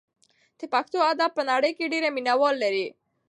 د پښتو ادب په نړۍ کې ډېر مینه وال لري.